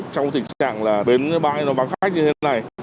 trong tình trạng là bến bãi nó bắn khách như thế này